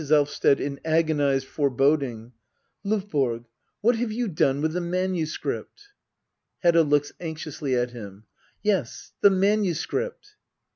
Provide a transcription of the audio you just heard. Elvsted. [In agonised foreboding.'] Lovborg — what have you done with the manuscript } Hedda. [Looks anxiously at himJ] Yes^ the manu script